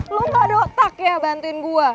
lo gak ada otak ya bantuin gue